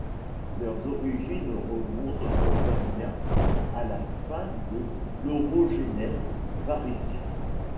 Leur origine remonte au Permien à la fin de l'orogénèse varisque.